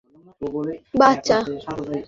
হিটটোটোমাস না, বাচ্চা।